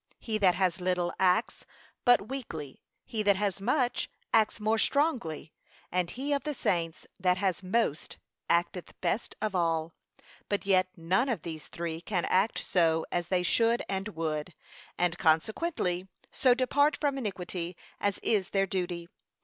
He that has little, acts but weakly; he that has much, acts more strongly; and he of the saints that has most, acteth best of all: but yet none of these three can act so as they should and would, and, consequently, so depart from iniquity as is their duty.